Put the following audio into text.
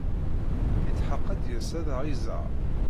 Yetḥeqq ad d-yas ad aɣ-iẓer.